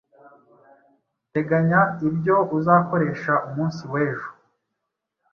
teganya ibyo uzakoresha umunsi wejo